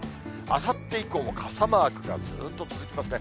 あさって以降も傘マークがずっと続きますね。